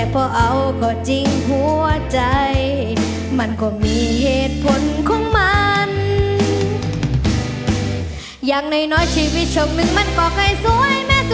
พูดชายไว้หวยที่ทิ้งฉันไป